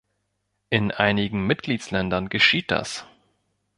In einigen Mitgliedsländern geschieht das.